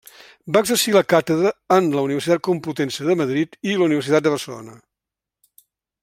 Va exercir la càtedra en la Universitat Complutense de Madrid i la Universitat de Barcelona.